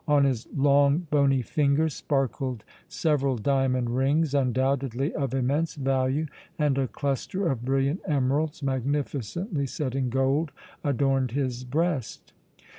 On his long, bony fingers sparkled several diamond rings undoubtedly of immense value and a cluster of brilliant emeralds magnificently set in gold adorned his breast.